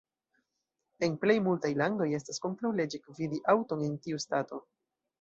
En plej multaj landoj, estas kontraŭleĝe gvidi aŭton en tiu stato.